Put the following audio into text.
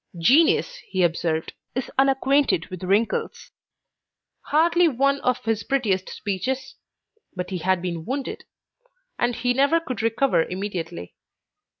"Genius," he observed, "is unacquainted with wrinkles"; hardly one of his prettiest speeches; but he had been wounded, and he never could recover immediately.